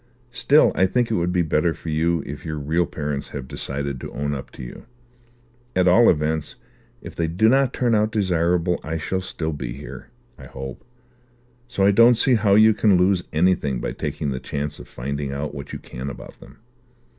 "Still I think it would be better for you if your real parents have decided to own up to you. At all events, if they do not turn out desirable, I shall still be here, I hope; so I don't see how you can lose anything by taking this chance of finding out what you can about them."